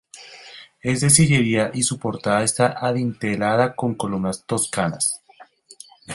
Es de sillería y su portada está adintelada con columnas toscanas.